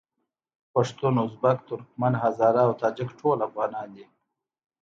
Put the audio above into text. پښتون، ازبک، ترکمن، هزاره او تاجک ټول افغانان دي.